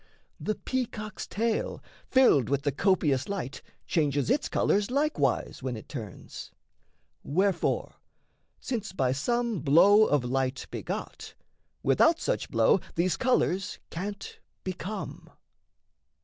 The peacock's tail, filled with the copious light, Changes its colours likewise, when it turns. Wherefore, since by some blow of light begot, Without such blow these colours can't become.